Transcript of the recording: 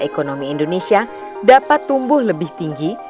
ekonomi indonesia dapat tumbuh lebih tinggi